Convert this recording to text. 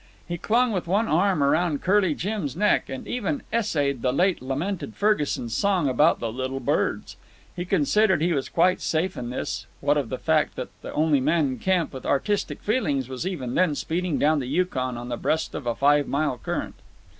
He clung with one arm around Curly Jim's neck, and even essayed the late lamented Ferguson's song about the little birds. He considered he was quite safe in this, what of the fact that the only man in camp with artistic feelings was even then speeding down the Yukon on the breast of a five mile current.